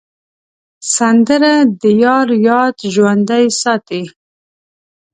سندره د یار یاد ژوندی ساتي